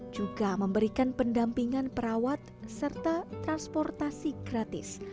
juga memberikan pendampingan perawat serta transportasi gratis